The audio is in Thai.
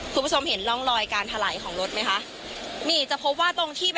คุณผู้ชมเห็นร่องรอยการถลายของรถไหมคะนี่จะพบว่าตรงที่